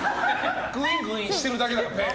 グイングインしてるだけじゃん。